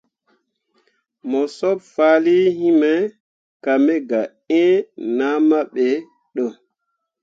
Mo sob fahlii nyi me ka me ga eẽ nahma be ɗə.